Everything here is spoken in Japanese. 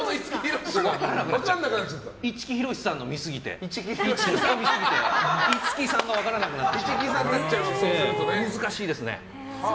一木ひろしさんを見すぎて五木さんが分からなくなっちゃった。